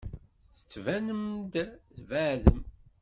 Tettbanem-d tbeɛdem.